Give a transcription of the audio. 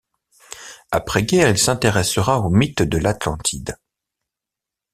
Après-guerre, il s'intéressera au mythe de l'Atlantide.